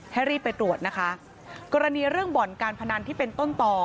ให้รีบไปตรวจนะคะกรณีเรื่องบ่อนการพนันที่เป็นต้นต่อ